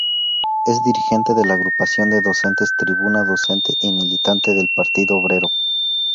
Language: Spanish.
Es dirigente de la agrupación de docentes Tribuna Docente y militante del Partido Obrero.